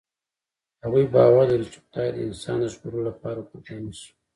هغوی باور لري، چې خدای د انسان د ژغورلو لپاره قرباني شو.